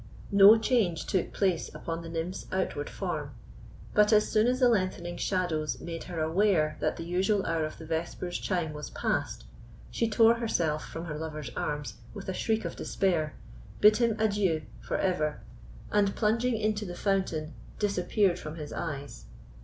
No change took place upon the nymph's outward form; but as soon as the lengthening shadows made her aware that the usual hour of the vespers chime was passed, she tore herself from her lover's arms with a shriek of despair, bid him adieu for ever, and, plunging into the fountain, disappeared from his eyes.